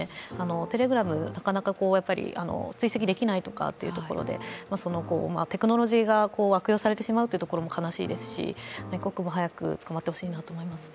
Ｔｅｌｅｇｒａｍ、なかなか追跡できないというところでテクノロジーが悪用されてしまうところも悲しいですし、一刻も早く捕まってほしいなと思いますね。